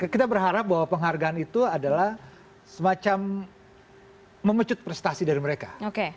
kita berharap bahwa penghargaan itu adalah semacam memecut prestasi dari mereka